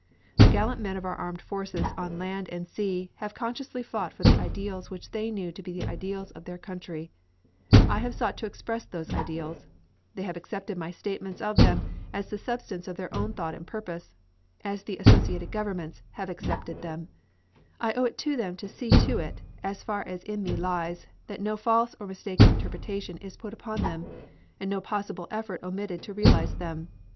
The gallant men of our armed forces on land and sea have consciously fought for the ideals which they knew to be the ideals of their country; I have sought to express those ideals; they have accepted my statements of them as the substance of their own thought and purpose, as the associated governments have accepted them; I owe it to them to see to it, so far as in me lies, that no false or mistaken interpretation is put upon them, and no possible effort omitted to realize them.